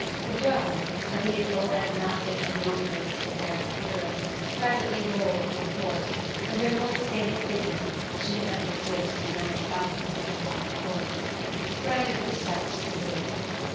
The brougham a vehicle as massive and lumbering as the pair that drew it presently rolled into the court, and Raymond's sable figure (she had never before seen a man travel in such black clothes) sprang up the steps to the door.